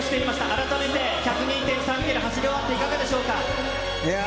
改めて、１０２．３キロ走り終わっていかがでしょうか。